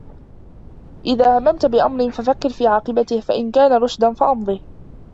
إذَا هَمَمْت بِأَمْرٍ فَفَكِّرْ فِي عَاقِبَتِهِ فَإِنْ كَانَ رُشْدًا فَأَمْضِهِ